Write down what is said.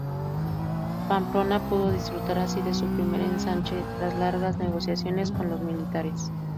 Pamplona pudo disfrutar así de su primer ensanche, tras largas negociaciones con los militares.